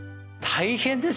大変です。